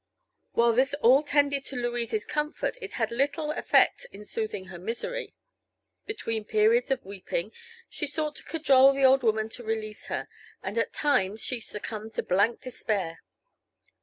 While this all tended to Louise's comfort it had little affect in soothing her misery. Between periods of weeping she sought to cajole the old woman to release her, and at times she succumbed to blank despair.